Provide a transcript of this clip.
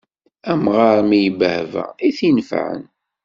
Amɣar mi ibbehba, i t-inefɛen.